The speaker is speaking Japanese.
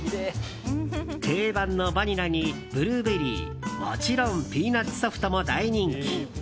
定番のバニラにブルーベリーもちろんピーナッツソフトも大人気。